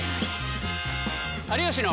「有吉の」。